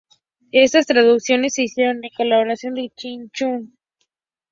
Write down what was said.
Estas traducciones se hicieron en colaboración con Chi-Hwang Chu.